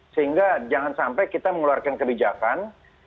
sehingga jangan sampai kita mengeluarkan kebijakan